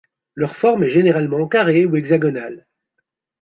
Leur forme est généralement carrée ou hexagonale.